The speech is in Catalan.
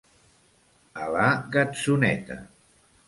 A la gatzoneta.